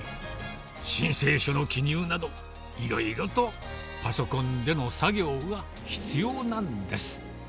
申請書の記入など、いろいろとパソコンでの作業が必要なんです。